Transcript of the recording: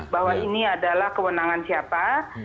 bahwa ini adalah kewenangan siapa